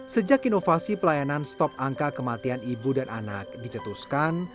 sejak inovasi pelayanan stop angka kematian ibu dan anak dicetuskan